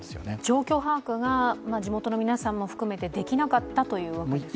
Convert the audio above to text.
状況把握が地元の皆さんも含めてできなかったということですよね。